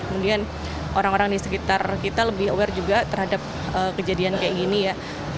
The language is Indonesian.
kemudian orang orang di sekitar kita lebih aware juga terhadap kejadian kayak gini ya